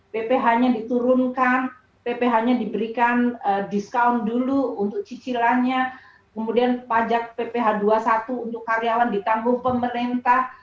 pph nya diturunkan pph nya diberikan diskaun dulu untuk cicilannya kemudian pajak pph dua puluh satu untuk karyawan ditanggung pemerintah